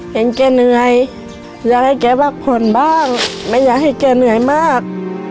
เห็นแกเหนื่อยอยากให้แกพักผ่อนบ้างไม่อยากให้แกเหนื่อยมาก